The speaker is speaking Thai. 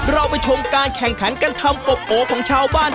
เราไปชมการแข่งขันการทำกบโอของชาวบ้าน